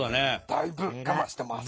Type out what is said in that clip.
だいぶ我慢してます。